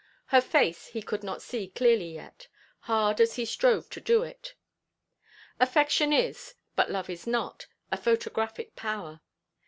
Her face he could not see clearly yet, hard as he strove to do it; affection is, but love is not, a photographic power.